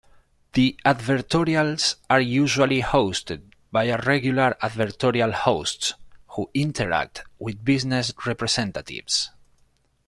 The advertorials are usually hosted by regular advertorial hosts who interact with business representatives.